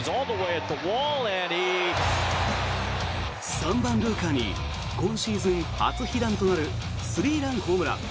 ３番、ルーカーに今シーズン初被弾となるスリーラン。